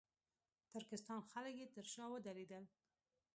ترکستان خلک یې تر شا ودرېدل.